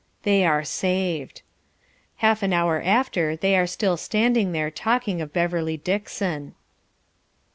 They are saved. Half an hour after they are still standing there talking of Beverly Dixon.